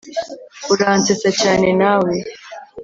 uransetsa cyane nawe